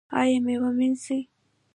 ایا میوه مینځئ؟